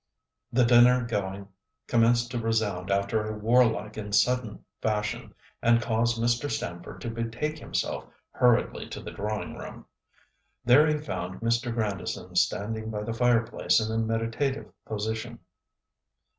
The dinner gong commenced to resound after a warlike and sudden fashion, and caused Mr. Stamford to betake himself hurriedly to the drawing room. There he found Mr. Grandison standing by the fire place in a meditative position.